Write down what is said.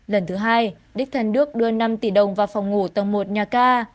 lần thứ hai đích thân đức đưa năm tỷ đồng vào phòng ngủ tầng một nhà ca